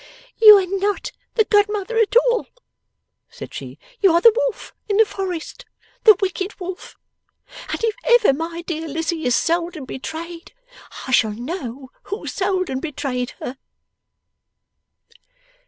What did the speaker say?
'You are not the godmother at all!' said she. 'You are the Wolf in the Forest, the wicked Wolf! And if ever my dear Lizzie is sold and betrayed, I shall know who sold and betrayed her!